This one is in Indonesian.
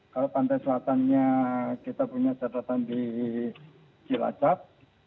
kalau pantai selatannya kita punya catatan di cilacap